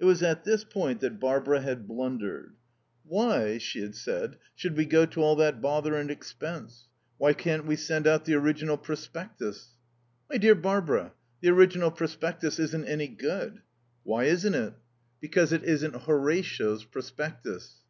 It was at this point that Barbara had blundered. "Why," she had said, "should we go to all that bother and expense? Why can't we send out the original prospectus?" "My dear Barbara, the original prospectus isn't any good." "Why isn't it?" "Because it isn't Horatio's prospectus."